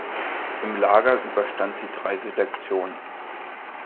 Im Lager überstand sie drei Selektionen.